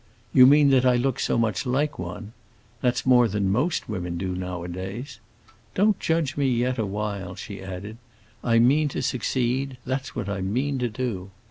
"You mean that I look so much like one? That's more than most women do nowadays. Don't judge me yet awhile," she added. "I mean to succeed; that's what I mean to do.